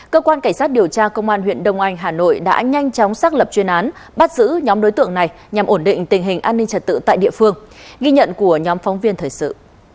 cơ quan cảnh sát điều tra công an huyện đông anh hà nội đã nhanh chóng xác lập chuyên án bắt giữ nhóm đối tượng này nhằm ổn định tình hình an ninh trật tự tại địa phương ghi nhận của nhóm phóng viên thời sự